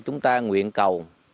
chúng ta nguyện cầu